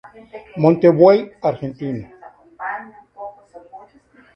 Monte Buey, Argentina